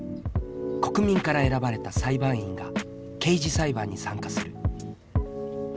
国民から選ばれた裁判員が刑事裁判に参加する。